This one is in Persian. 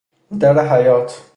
در حیاط